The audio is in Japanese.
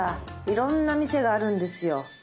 いろんな店があるんですよ。